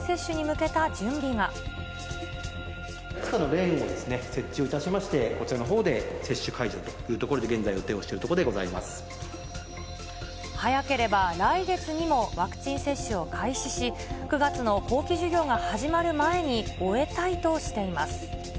いくつかのレーンを設置をいたしまして、こちらのほうで接種会場というところで、現在予定を早ければ来月にもワクチン接種を開始し、９月の後期授業が始まる前に終えたいとしています。